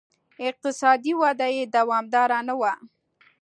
اقتصادي وده یې دوامداره نه وه.